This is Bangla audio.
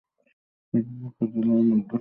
রুমা উপজেলার মধ্য দিয়ে প্রবাহিত হচ্ছে সাঙ্গু নদী।